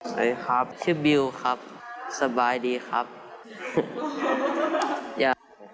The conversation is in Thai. สวัสดีครับชื่อบิวครับสบายดีครับย่า